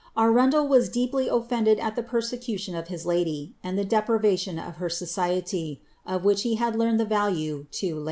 Arundel was deeply ofiended at the persecution of his lady, and the deprivation of her society, of which he had learned the value too late.